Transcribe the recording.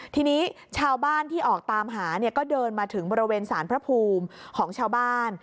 ทีนี้ชาวบ้านที่ออกตามหาเนี่ยก็เดินมาถึงบริเวณสารพระภูมิของชาวบ้าน